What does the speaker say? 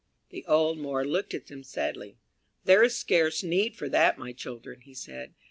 The old Moor looked at them sadly. "There is scarce need for that, my children," he said.